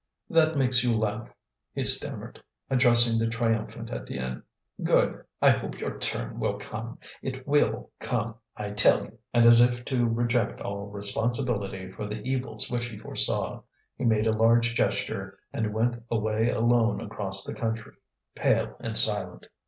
"That makes you laugh," he stammered, addressing the triumphant Étienne. "Good! I hope your turn will come. It will come, I tell you!" And as if to reject all responsibility for the evils which he foresaw, he made a large gesture, and went away alone across the country, pale and silent.